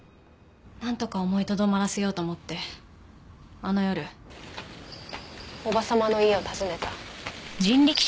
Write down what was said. なんとか思いとどまらせようと思ってあの夜叔母様の家を訪ねた。